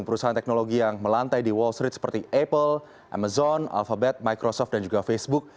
perusahaan teknologi yang melantai di wall street seperti apple amazon alphabet microsoft dan juga facebook